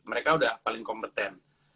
mereka udah paling kompeten